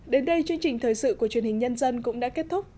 đến đây chương trình thời sự của truyền hình nhân dân cũng đã kết thúc